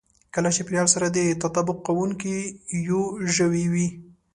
که له چاپېريال سره دا تطابق کوونکی يو ژوی وي.